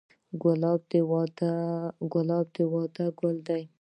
ګلاب د واده ګل دی.